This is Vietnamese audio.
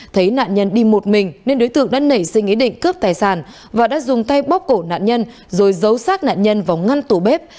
thấy nạn nhân đi một mình nên đối tượng đã nảy sinh ý định cướp tài sản và đã dùng tay bóc cổ nạn nhân rồi giấu sát nạn nhân vào ngăn tủ bếp